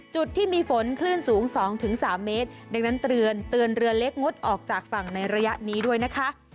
จุดที่มีฝนคลื่นสูง๒๓เมตรดังนั้นเตือนเรือเล็กงดออกจากฝั่งในระยะนี้ด้วยนะคะ